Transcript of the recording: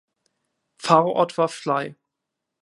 Pfarrort war Fley.